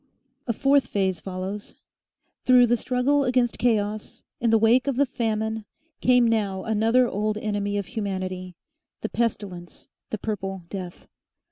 A fourth phase follows. Through the struggle against Chaos, in the wake of the Famine, came now another old enemy of humanity the Pestilence, the Purple Death.